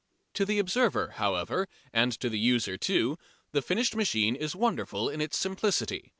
To the observer, however, and to the user too, the finished machine is wonderful in its simplicity.